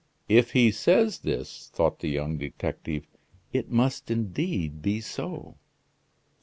"If he says this," thought the young detective, "it must indeed be so."